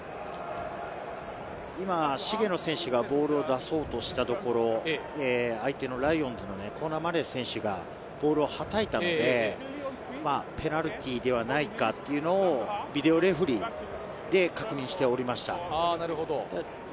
今、茂野選手がボールを出そうとしたところ、相手のライオンズのコナー・マレー選手がボールをはたいたんで、ペナルティーではないかっていうのをビデオレフェリーで確認しておりました。